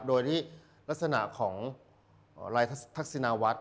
โดยที่ลักษณะของลายทักษิณวัฒน์